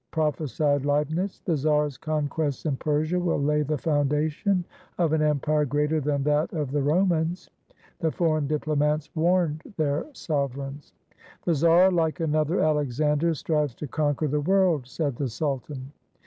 prophesied Leibnitz. "The czar's conquests in Persia will lay the foundation of an empire greater than that of the Ro mans," the foreign diplomats warned their sovereigns. "The czar, like another Alexander, strives to conquer the world," said the sultan.